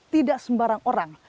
tidak sembarang orang